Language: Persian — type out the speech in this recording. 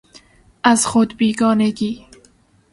ازخودبیگانگی